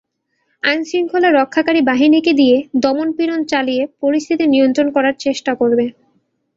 আইনশৃঙ্খলা রক্ষাকারী বাহিনীকে দিয়ে দমন-পীড়ন চালিয়ে পরিস্থিতি নিয়ন্ত্রণ করার চেষ্টা করবে।